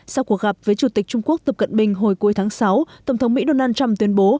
sau cuộc gặp với chủ tịch trung quốc tập cận bình hồi cuối tháng sáu tổng thống mỹ donald trump tuyên bố